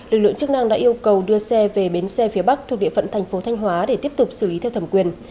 lực lượng chức năng đã yêu cầu đưa xe về bến xe phía bắc thuộc địa phận thành phố thanh hóa để tiếp tục xử lý theo thẩm quyền